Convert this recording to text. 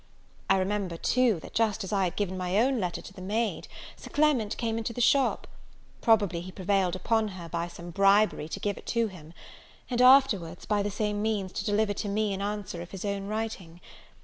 I remember, too, that just as I had given my own letter to the maid, Sir Clement came into the shop: probably he prevailed upon her, by some bribery, to give it to him; and afterwards, by the same means, to deliver to me an answer of his own writing.